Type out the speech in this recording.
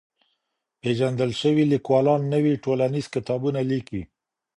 پېژندل سوي ليکوالان نوي ټولنيز کتابونه ليکي.